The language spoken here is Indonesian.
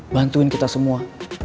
bantuin kita semua